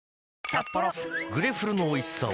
「グレフル」の美味しさを‼